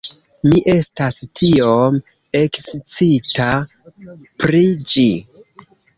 Mi estas tiom ekscita pri ĝi